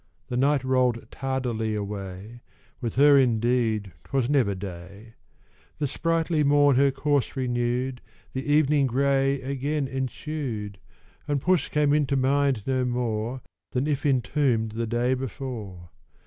The night roll'd tardily away, (With her indeed 'twas never day,) The sprightly morn her course renew'd, The evening grey again ensued, And puss came into mind no more Than if entomb'd the day before.